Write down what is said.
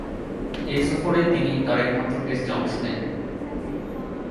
এ সফরেই তিনি তার একমাত্র টেস্টে অংশ নেন।